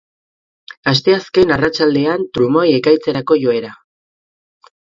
Asteazken arratsaldean trumoi-ekaitzerako joera.